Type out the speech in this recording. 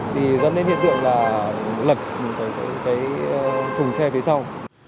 thì dân đến hiện tượng là lật cái thùng xe phía sau